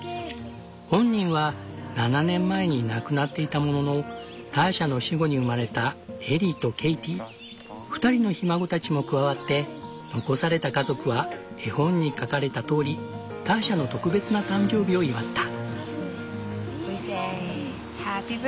本人は７年前に亡くなっていたもののターシャの死後に生まれたエリーとケイティ２人のひ孫たちも加わって残された家族は絵本に描かれたとおりターシャの特別な誕生日を祝った。